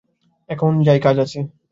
এখন যাই, কাজ আছে।